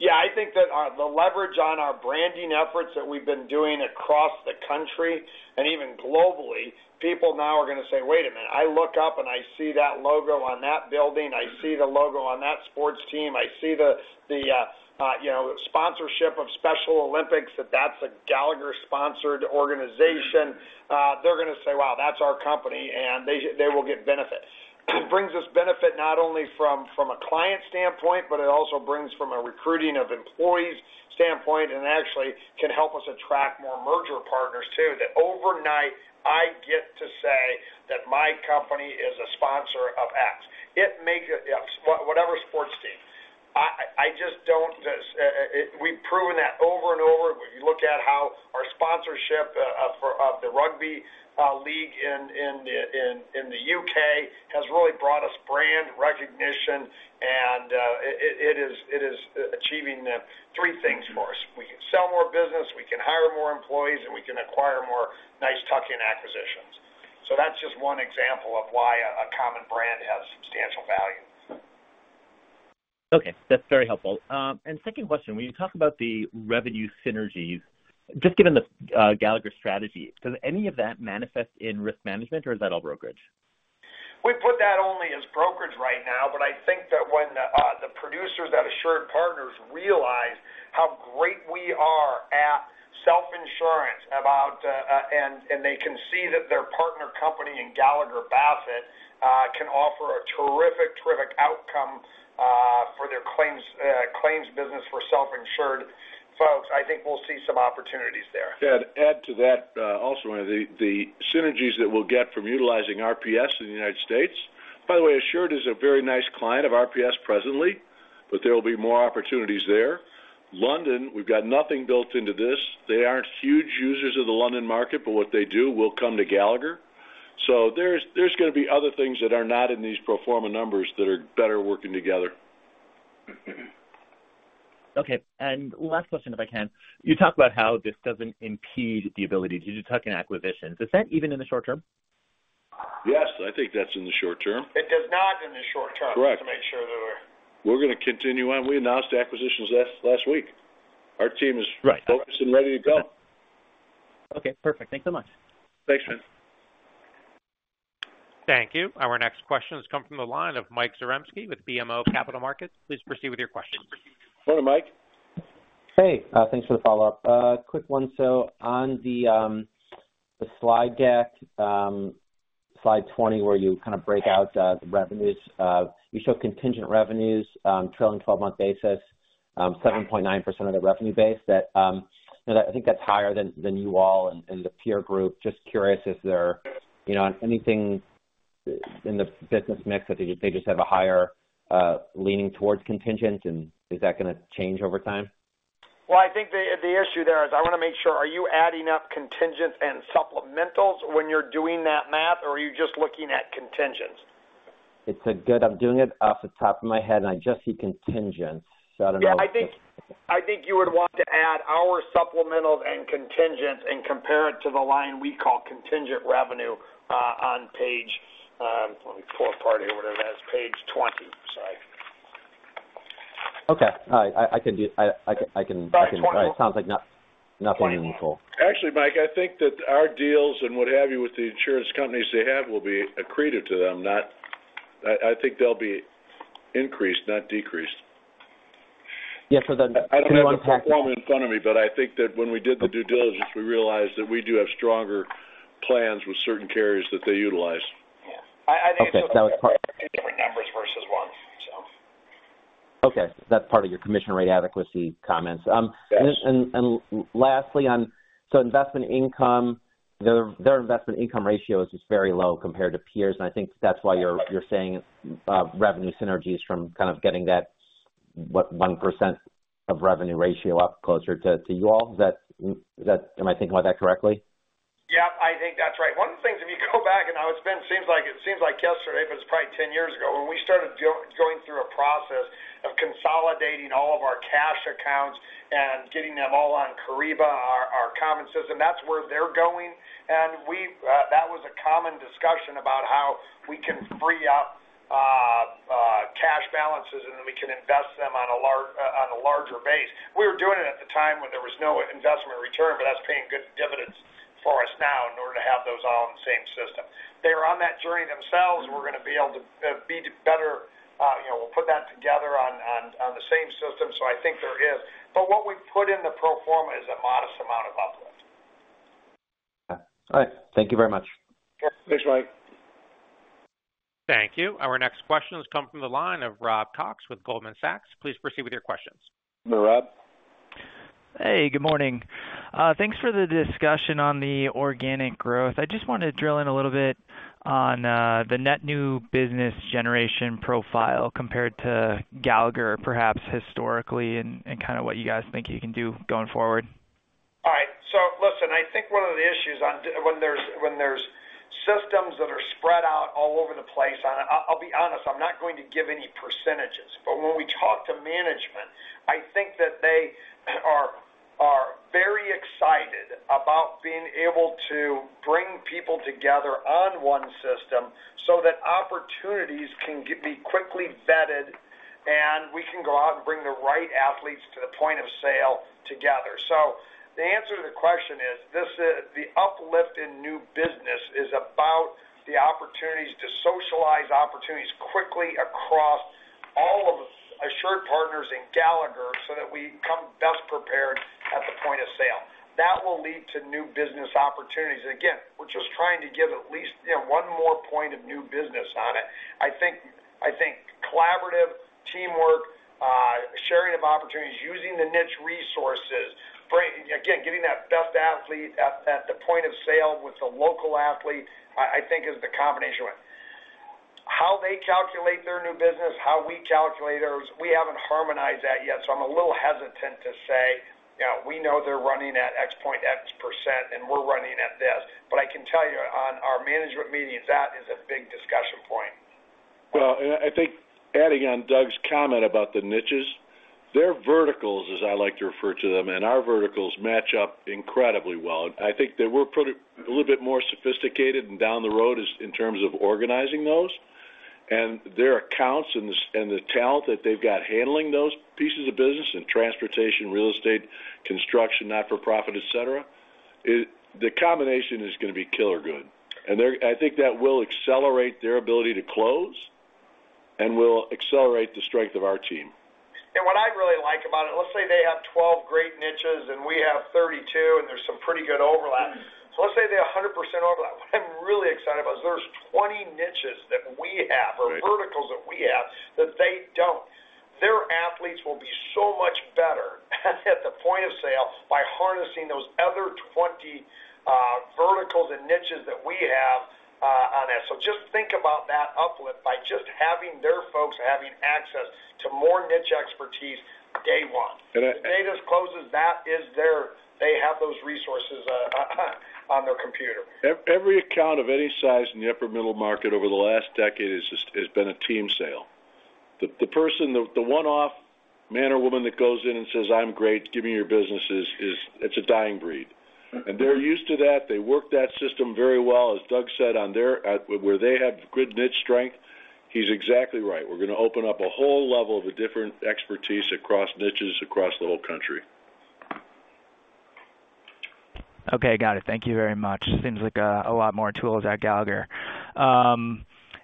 Yeah. I think that the leverage on our branding efforts that we've been doing across the country and even globally, people now are going to say, "Wait a minute. I look up and I see that logo on that building. I see the logo on that sports team. I see the sponsorship of Special Olympics, that that's a Gallagher-sponsored organization." They're going to say, "Wow, that's our company," and they will get benefit. It brings us benefit not only from a client standpoint, but it also brings from a recruiting of employees standpoint and actually can help us attract more merger partners too. That overnight, I get to say that my company is a sponsor of X. It makes whatever sports team. I just don't. We've proven that over and over. When you look at how our sponsorship of the rugby league in the U.K. has really brought us brand recognition, and it is achieving three things for us. We can sell more business, we can hire more employees, and we can acquire more nice tuck-in acquisitions. So that's just one example of why a common brand has substantial value. Okay. That's very helpful. And second question, when you talk about the revenue synergies, just given the Gallagher strategy, does any of that manifest in risk management or is that all brokerage? We put that only as brokerage right now, but I think that when the producers at AssuredPartners realize how great we are at self-insurance, and they can see that their partner company in Gallagher Bassett can offer a terrific, terrific outcome for their claims business for self-insured folks, I think we'll see some opportunities there. Yeah. To add to that also, the synergies that we'll get from utilizing RPS in the United States. By the way, Assured is a very nice client of RPS presently, but there will be more opportunities there. London, we've got nothing built into this. They aren't huge users of the London market, but what they do will come to Gallagher. So there's going to be other things that are not in these pro forma numbers that are better working together. Okay, and last question, if I can. You talked about how this doesn't impede the ability to do tuck-in acquisitions. Is that even in the short term? Yes. I think that's in the short term. It does not in the short term. Correct. Just to make sure that we're. We're going to continue on. We announced acquisitions last week. Our team is focused and ready to go. Okay. Perfect. Thanks so much. Thanks, Meyer. Thank you. Our next question has come from the line of Mike Zaremski with BMO Capital Markets. Please proceed with your questions. Morning, Mike. Hey. Thanks for the follow-up. Quick one. So on the slide deck, slide 20, where you kind of break out the revenues, you show contingent revenues trailing 12-month basis, 7.9% of the revenue base. I think that's higher than you all and the peer group. Just curious, is there anything in the business mix that they just have a higher leaning towards contingent, and is that going to change over time? I think the issue there is I want to make sure, are you adding up contingent and supplementals when you're doing that math, or are you just looking at contingents? It's a good. I'm doing it off the top of my head, and I just see contingents. So I don't know. Yeah. I think you would want to add our supplementals and contingents and compare it to the line we call contingent revenue on page, let me pull up part of whatever that is, page 20. Sorry. Okay. All right. I can do all right. Sounds like nothing unusual. Actually, Mike, I think that our deals and what have you with the insurance companies they have will be accretive to them. I think they'll be increased, not decreased. Yeah. So the- I don't know what you want me to in front of me, but I think that when we did the due diligence, we realized that we do have stronger plans with certain carriers that they utilize. I think so. Okay. So that was part of the different numbers versus one, so. Okay. That's part of your commission rate adequacy comments, and lastly, on so investment income, their investment income ratio is just very low compared to peers, and I think that's why you're saying revenue synergies from kind of getting that 1% of revenue ratio up closer to you all. Am I thinking about that correctly? Yep. I think that's right. One of the things, if you go back, and it seems like yesterday, but it's probably 10 years ago, when we started going through a process of consolidating all of our cash accounts and getting them all on Kyriba, our common system, that's where they're going. And that was a common discussion about how we can free up cash balances and then we can invest them on a larger base. We were doing it at the time when there was no investment return, but that's paying good dividends for us now in order to have those all in the same system. They are on that journey themselves. We're going to be able to be better. We'll put that together on the same system. So I think there is. But what we put in the pro forma is a modest amount of uplift. All right. Thank you very much. Thanks, Mike. Thank you. Our next question has come from the line of Rob Cox with Goldman Sachs. Please proceed with your questions. Hello, Rob. Hey. Good morning. Thanks for the discussion on the organic growth. I just want to drill in a little bit on the net new business generation profile compared to Gallagher, perhaps historically, and kind of what you guys think you can do going forward? All right. So listen, I think one of the issues when there's systems that are spread out all over the place on it. I'll be honest, I'm not going to give any percentages. But when we talk to management, I think that they are very excited about being able to bring people together on one system so that opportunities can be quickly vetted, and we can go out and bring the right athletes to the point of sale together. So the answer to the question is the uplift in new business is about the opportunities to socialize opportunities quickly across all of AssuredPartners and Gallagher so that we come best prepared at the point of sale. That will lead to new business opportunities. And again, we're just trying to give at least one more point of new business on it. I think collaborative teamwork, sharing of opportunities, using the niche resources, again, getting that best athlete at the point of sale with the local athlete, I think is the combination of how they calculate their new business, how we calculate ours. We haven't harmonized that yet, so I'm a little hesitant to say, "We know they're running at X.X%, and we're running at this." But I can tell you on our management meetings, that is a big discussion point. I think adding on Doug's comment about the niches, their verticals, as I like to refer to them, and our verticals match up incredibly well. I think that we're a little bit more sophisticated and down the road in terms of organizing those. Their accounts and the talent that they've got handling those pieces of business in transportation, real estate, construction, not-for-profit, etc., the combination is going to be killer good. I think that will accelerate their ability to close and will accelerate the strength of our team. What I really like about it, let's say they have 12 great niches and we have 32, and there's some pretty good overlap. So let's say they have 100% overlap. What I'm really excited about is there's 20 niches that we have or verticals that we have that they don't. Their agents will be so much better at the point of sale by harnessing those other 20 verticals and niches that we have on that. So just think about that uplift by just having their folks having access to more niche expertise day one. As deals close, that is their—they have those resources on their computer. Every account of any size in the upper middle market over the last decade has been a team sale. The one-off man or woman that goes in and says, "I'm great. Give me your businesses," it's a dying breed, and they're used to that. They work that system very well. As Doug said, where they have good niche strength, he's exactly right. We're going to open up a whole level of a different expertise across niches across the whole country. Okay. Got it. Thank you very much. Seems like a lot more tools at Gallagher.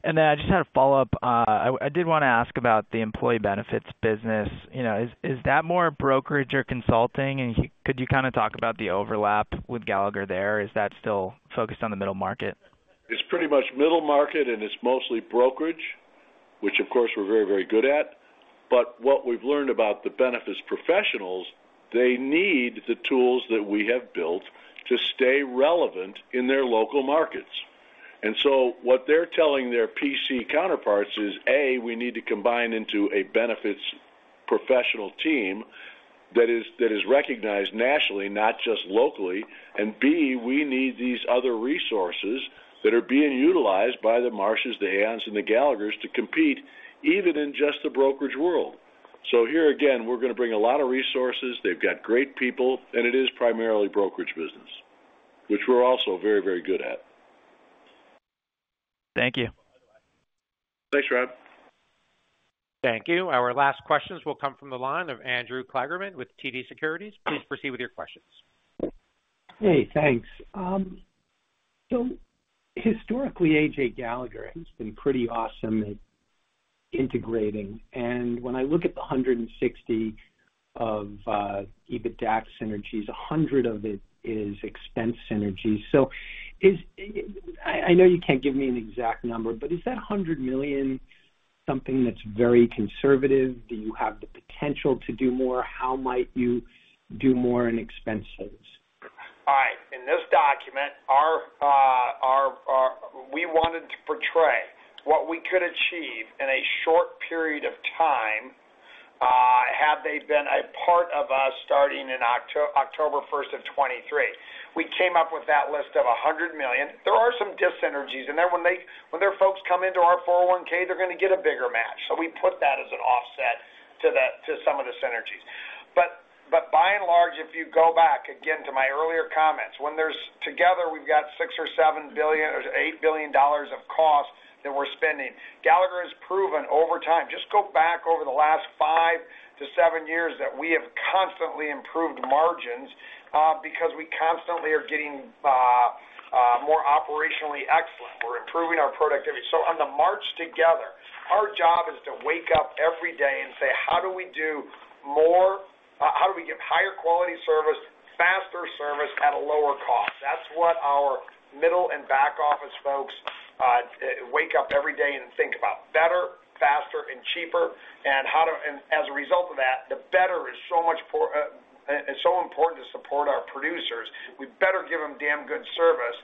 And then I just had a follow-up. I did want to ask about the employee benefits business. Is that more brokerage or consulting? And could you kind of talk about the overlap with Gallagher there? Is that still focused on the middle market? It's pretty much middle market, and it's mostly brokerage, which, of course, we're very, very good at. But what we've learned about the benefits professionals, they need the tools that we have built to stay relevant in their local markets. And so what they're telling their P&C counterparts is, "A, we need to combine into a benefits professional team that is recognized nationally, not just locally." And, "B, we need these other resources that are being utilized by the Marshes, the Aons, and the Gallaghers to compete even in just the brokerage world." So here, again, we're going to bring a lot of resources. They've got great people, and it is primarily brokerage business, which we're also very, very good at. Thank you. Thanks, Rob. Thank you. Our last questions will come from the line of Andrew Kligerman with TD Securities. Please proceed with your questions. Hey. Thanks. Historically, AJ Gallagher has been pretty awesome at integrating. And when I look at the $160 million of EBITDA synergies, $100 million of it is expense synergies. I know you can't give me an exact number, but is that $100 million something that's very conservative? Do you have the potential to do more? How might you do more in expenses? All right. In this document, we wanted to portray what we could achieve in a short period of time had they been a part of us starting in October 1, 2023. We came up with that list of $100 million. There are some dis-synergies, and then when their folks come into our 401(k), they're going to get a bigger match. So we put that as an offset to some of the synergies. But by and large, if you go back again to my earlier comments, when they're together, we've got $6 billion or $7 billion or $8 billion of cost that we're spending. Gallagher has proven over time—just go back over the last five to seven years—that we have constantly improved margins because we constantly are getting more operationally excellent. We're improving our productivity. So, on the march together, our job is to wake up every day and say, "How do we do more? How do we get higher quality service, faster service at a lower cost?" That's what our middle and back office folks wake up every day and think about: better, faster, and cheaper. And as a result of that, the better is so important to support our producers. We better give them damn good service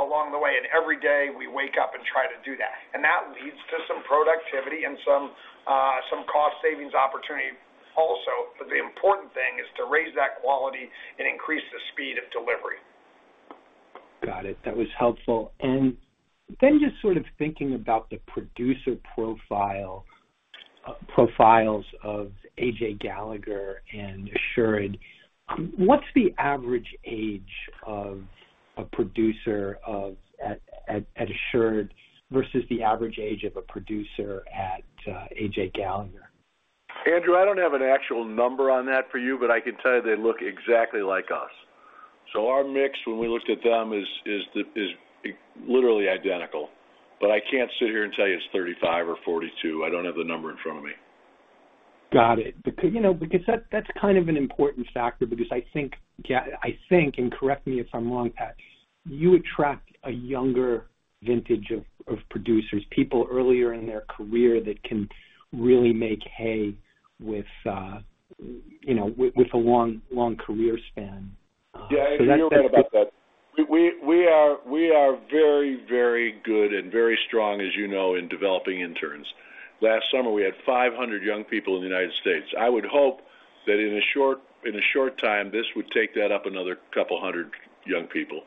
along the way. And every day, we wake up and try to do that. And that leads to some productivity and some cost savings opportunity also. But the important thing is to raise that quality and increase the speed of delivery. Got it. That was helpful. And then just sort of thinking about the producer profiles of AJ Gallagher and Assured, what's the average age of a producer at Assured versus the average age of a producer at AJ Gallagher? Andrew, I don't have an actual number on that for you, but I can tell you they look exactly like us. So our mix, when we looked at them, is literally identical. But I can't sit here and tell you it's 35 or 42. I don't have the number in front of me. Got it. Because that's kind of an important factor because I think—and correct me if I'm wrong, Pat—you attract a younger vintage of producers, people earlier in their career that can really make hay with a long career span. Yeah. I think you're right about that. We are very, very good and very strong, as you know, in developing interns. Last summer, we had 500 young people in the United States. I would hope that in a short time, this would take that up another couple hundred young people.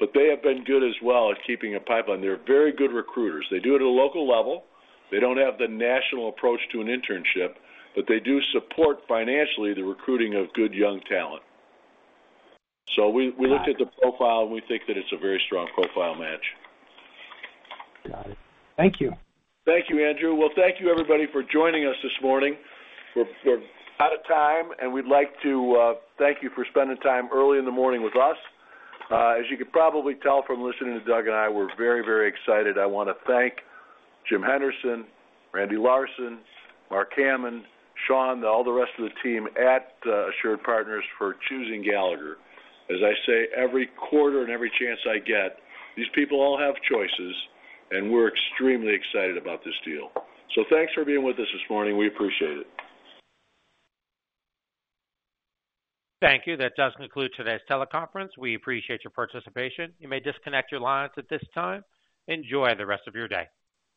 But they have been good as well at keeping a pipeline. They're very good recruiters. They do it at a local level. They don't have the national approach to an internship, but they do support financially the recruiting of good young talent. So we looked at the profile, and we think that it's a very strong profile match. Got it. Thank you. Thank you, Andrew. Well, thank you, everybody, for joining us this morning. We're out of time, and we'd like to thank you for spending time early in the morning with us. As you could probably tell from listening to Doug and I, we're very, very excited. I want to thank Jim Henderson, Randy Larsen, Mark Cassen, Sean, and all the rest of the team at AssuredPartners for choosing Gallagher. As I say every quarter and every chance I get, these people all have choices, and we're extremely excited about this deal. So thanks for being with us this morning. We appreciate it. Thank you. That does conclude today's teleconference. We appreciate your participation. You may disconnect your lines at this time. Enjoy the rest of your day.